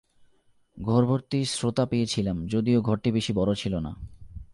ঘর-ভর্তি শ্রোতা পেয়েছিলাম, যদিও ঘরটি বেশী বড় ছিল না।